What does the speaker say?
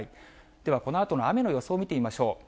では、このあとの雨の予想を見てみましょう。